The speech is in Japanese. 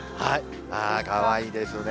かわいいですね。